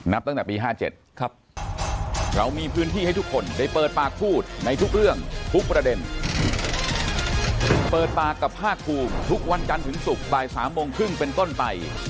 นับตั้งแต่ปี๕๗